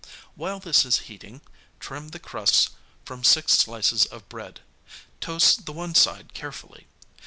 While this is heating, trim the crusts from six slices of bread; toast the one side carefully.